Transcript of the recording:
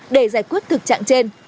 để giải quyết thực trạng trên